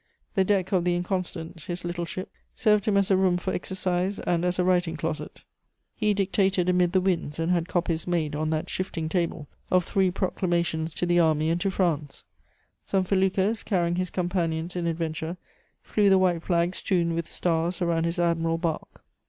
The deck of the Inconstant, his little ship, served him as a room for exercise and as a writing closet; he dictated amid the winds and had copies made, on that shifting table, of three proclamations to the army and to France; some feluccas, carrying his companions in adventure, flew the white flag strewn with stars around his admiral bark.